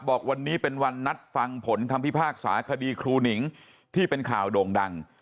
บอกวันนี้เป็นวันนัดฟังผลคำพิพากษาคดีครูหนิงที่เป็นข่าวโด่งดัง